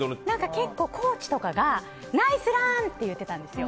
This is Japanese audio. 結構コーチとかがナイスラン！って言ってたんですよ。